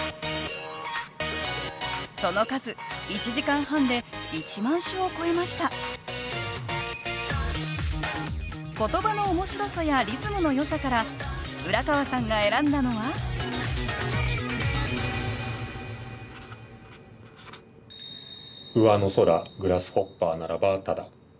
その数１時間半で１万首を超えました言葉の面白さやリズムのよさから浦川さんが選んだのは「上の空グラスホッパーならばただ」。